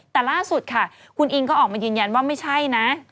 แต่ล่าสุดค่ะคุณอิงก็ออกมายืนยันว่าไม่ใช่นะ